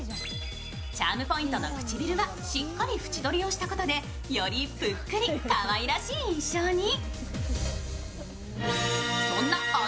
チャームポイントの唇はしっかり縁取りをしたことでよりぷっくりかわいらしい印象に。